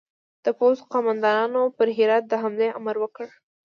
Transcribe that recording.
د پوځ قوماندانانو پر هرات د حملې امر ورکړ.